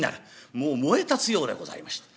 もう燃えたつようでございました。